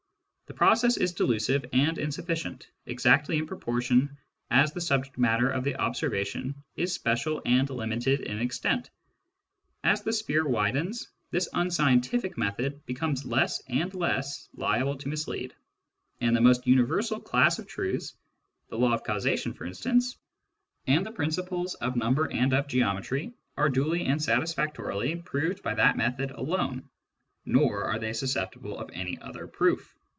The process is delusive and insufficient, exactly in proportion as the subject matter of the observation is special and limited in extent. As the sphere widens, this unscientific method becomes less and less liable to mislead ; and the most universal class of truths, the law of causation for instance, and the principles of number and of geometry, are duly and satisfactorily proved by that method alone, nor are they susceptible of any other proof."